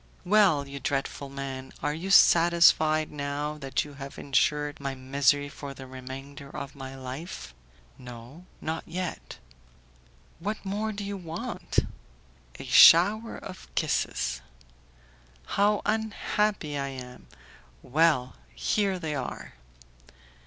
"Well, you dreadful man, are you satisfied, now that you have insured my misery for the remainder of my life?" "No, not yet." "What more do you want?" "A shower of kisses." "How unhappy I am! Well! here they are."